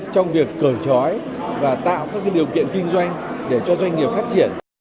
trong việc cởi trói và tạo các điều kiện kinh doanh để cho doanh nghiệp phát triển